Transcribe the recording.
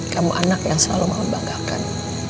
kamu anak yang selalu mama banggakan